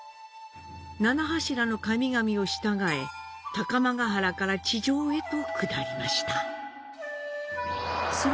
七柱の神々を従え高天原から地上へと下りました。